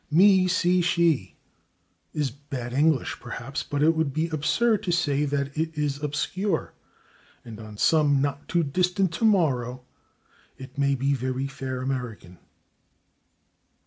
"Me see she" is bad English, perhaps, but it would be absurd to say that it is obscure and on some not too distant tomorrow it may be very fair American.